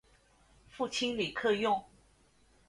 父亲李克用。